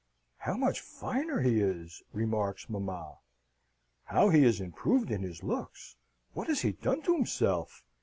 "How much finer he is!" remarks mamma. "How he is improved in his looks! What has he done to himself?"